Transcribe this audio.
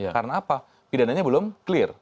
karena apa pidananya belum clear